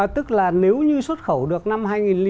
tức là nếu như xuất khẩu được năm hai nghìn tám